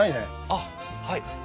あっはい。